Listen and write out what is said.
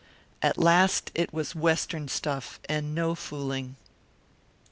At last it was Western Stuff and no fooling.